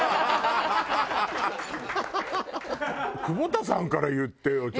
久保田さんから言ってよ。